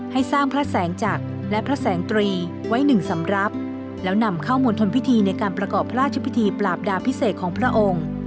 ให้สร้างพระแสงจักรและพระแสงตรีไว้หนึ่งสำรับแล้วนำเข้ามณฑลพิธีในการประกอบพระราชพิธีปราบดาพิเศษของพระองค์